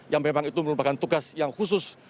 yang memang itu merupakan tugas yang khusus